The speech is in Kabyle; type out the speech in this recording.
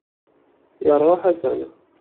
Yerɣa Ḥasan.